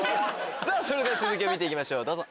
さぁそれでは続きを見て行きましょうどうぞ。